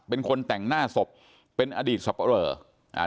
เป็นคนแต่งหน้าศพเป็นอดีตสัปดาห์